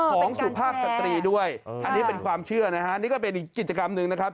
สุภาพสตรีด้วยอันนี้เป็นความเชื่อนะฮะนี่ก็เป็นอีกกิจกรรมหนึ่งนะครับ